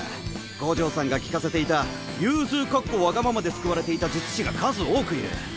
五条さんが利かせていた融通で救われていた術師が数多くいる。